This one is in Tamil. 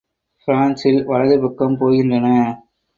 பிரான்சில் வலது பக்கம் போகின்றன.